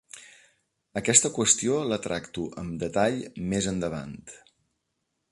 Aquesta qüestió la tracto amb detall més endavant.